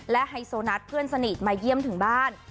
ไฮโซนัทเพื่อนสนิทมาเยี่ยมถึงบ้าน